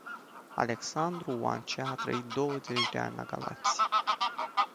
Alexandru Oancea a trăit douăzeci de ani la Galați.